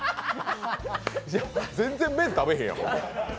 全然、麺食べへんやん。